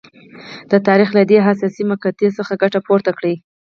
د تاریخ له دې حساسې مقطعې څخه ګټه پورته کړي.